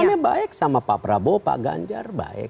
ini baik sama pak prabowo pak ganjar baik